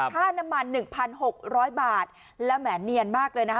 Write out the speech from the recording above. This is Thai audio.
ค่าน้ำมัน๑๖๐๐บาทแล้วแหมเนียนมากเลยนะคะ